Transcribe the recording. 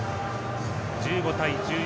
１５対１４